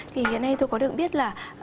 thì hiện nay tôi có được biết là